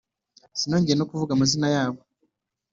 sinongeye no kuvuga amazina yabo;